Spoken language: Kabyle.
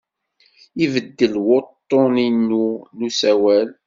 Ibeddel wuḍḍun-inu n usawal.